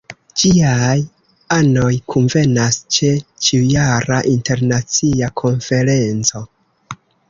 Ĝiaj anoj kunvenas ĉe ĉiujara Internacia Konferenco.